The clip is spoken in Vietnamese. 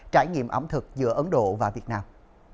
trải nghiệm ẩm thực giữa ấn độ và việt nam